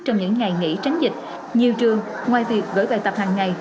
trong những ngày nghỉ tránh dịch nhiều trường ngoài việc gửi bài tập hàng ngày